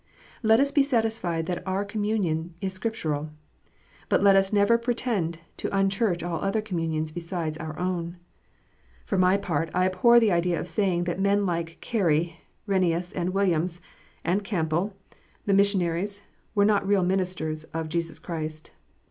Let us be satis fied that our own communion is Scriptural ; but let us never pretend to unchurch all other communions beside our own. For my own part, I abhor the idea of saying that men like Carey, and Rhenius, and Williams, and Campbell, the mis sionaries, were not real ministers of Jesus Christ.